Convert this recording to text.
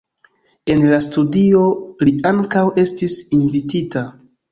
En la studio li ankaŭ estis invitita.